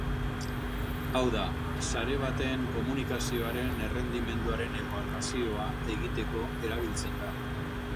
Hau da, sare baten komunikazioaren errendimenduaren ebaluazioa egiteko erabiltzen da.